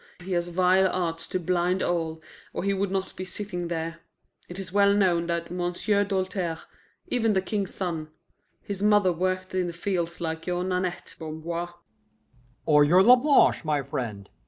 He has vile arts to blind all, or he would not be sitting there. It is well known that M'sieu' Doltaire, even the King's son his mother worked in the fields like your Nanette, Bamboir " "Or your Lablanche, my friend.